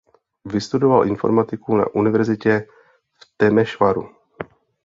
Vystudoval informatiku na univerzitě v Temešváru.